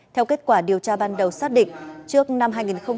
theo kết quả điều tra ban đầu xác định trước năm hai nghìn một mươi bảy